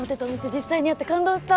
実際にあって感動した！